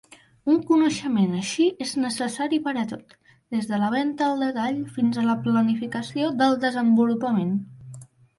Un coneixement així és necessari per a tot, des de la venta al detall fins a la planificació del desenvolupament.